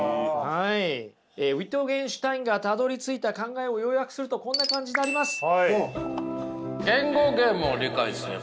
ウィトゲンシュタインがたどりついた考えを要約するとこんな感じになります。